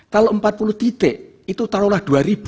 kalau empat puluh titik itu taruhlah dua